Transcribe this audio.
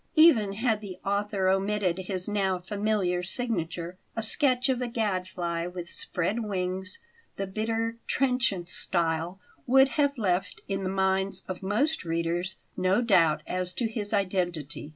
Even had the author omitted his now familiar signature, a sketch of a gadfly with spread wings, the bitter, trenchant style would have left in the minds of most readers no doubt as to his identity.